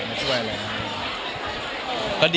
คุณค่ะ